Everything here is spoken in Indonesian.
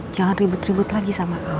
jangan ribut ribut lagi sama allah